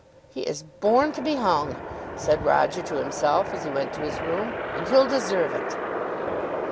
"He is born to be hung," said Roger to himself as he went to his room, "and he'll deserve it."